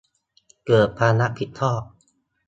เกิดความรับผิดชอบ